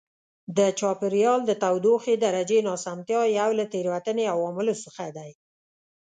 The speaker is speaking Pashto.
د چاپېریال د تودوخې درجې ناسمتیا یو له تېروتنې عواملو څخه دی.